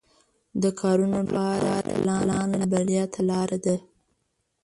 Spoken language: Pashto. د کارونو لپاره پلان لرل بریا ته لار ده.